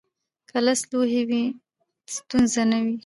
که لس لوحې وي، ستونزه نه وي.